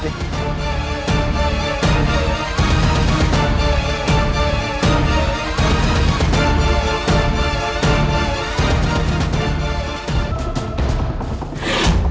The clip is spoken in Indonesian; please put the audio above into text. terima kasih gusdi